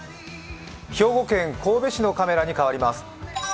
兵庫県神戸市のカメラに変わります。